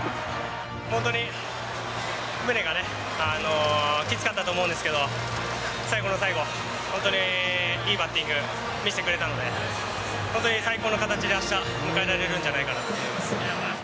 本当にムネがね、きつかったと思うんですけど、最後の最後、本当にいいバッティング見せてくれたので、本当に最高の形であしたを迎えられるんじゃないかなと思います。